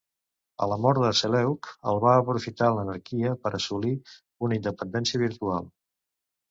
A la mort de Seleuc el va aprofitar l'anarquia per assolir una independència virtual.